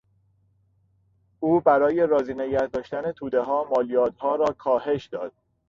او برای راضی نگهداشتن تودهها مالیاتها را کاهش داد.